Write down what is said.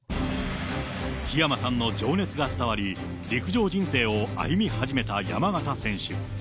日山さんの情熱が伝わり、陸上人生を歩み始めた山縣選手。